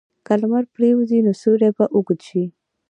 که لمر پرېوځي، نو سیوری به اوږد شي.